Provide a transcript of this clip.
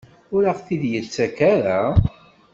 Ur aɣ-t-id-yettak ara?